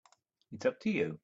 It's up to you.